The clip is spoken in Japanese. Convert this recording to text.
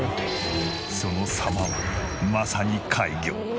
その様はまさに怪魚。